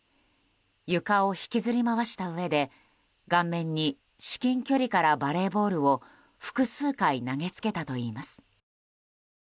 床を引きずり回したうえで顔面に至近距離からバレーボールを複数回投げつけたといいます。